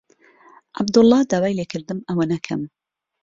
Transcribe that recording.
عەبدوڵڵا داوای لێ کردم ئەوە نەکەم.